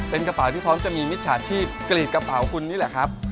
เป็นกระเป๋าที่พร้อมจะมีมิจฉาชีพกรีดกระเป๋าคุณนี่แหละครับ